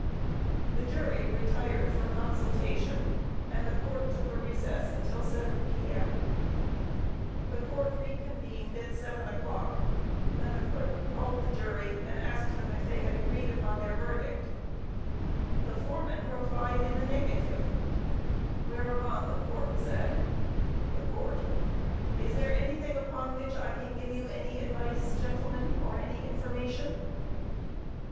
The jury retired for consultation, and the Court took a recess until 7 P.M. The Court re convened at 7 o'clock, when the clerk called the jury, and asked them if they had agreed upon their verdict. The foreman replied in the negative, whereupon the Court said: THE COURT: Is there anything upon which I can give you any advice, gentlemen, or any information?